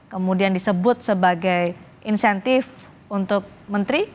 kemudian disebut sebagai insentif untuk menteri